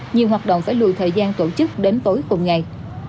nhiều hoạt động phải lùi thời gian tổ chức đến tối cùng ngày